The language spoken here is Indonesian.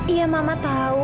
iya mama tau